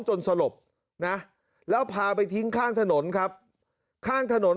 สลบนะแล้วพาไปทิ้งข้างถนนครับข้างถนน